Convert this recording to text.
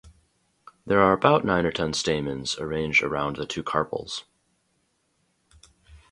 There are about nine or ten stamens arranged around the two carpels.